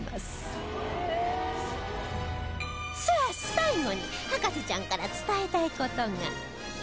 さあ最後に博士ちゃんから伝えたい事が